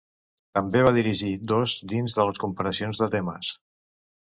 També va dirigir dos dins de les comparacions de temes.